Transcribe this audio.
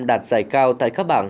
đạt giải cao tại các bảng